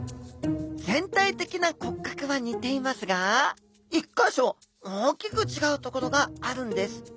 全体的な骨格は似ていますが１か所大きく違うところがあるんです。